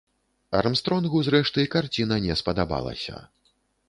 Армстронгу, зрэшты, карціна не спадабалася.